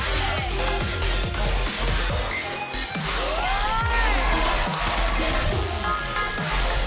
おい！